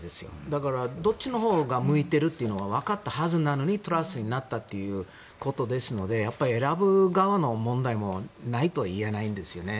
だからどっちのほうが向いているというのはわかったはずなのにトラスさんになったということですので選ぶ側の問題もないとは言えないんですよね。